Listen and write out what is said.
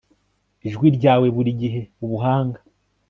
ijwi ryawe, burigihe ubuhanga